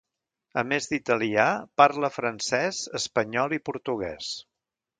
A més d'italià, parla francès, espanyol i portuguès.